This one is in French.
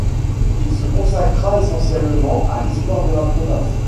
Il se consacra essentiellement à l'histoire de la Provence.